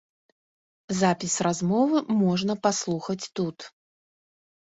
Запіс размовы можна паслухаць тут.